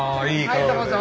はいどうぞ。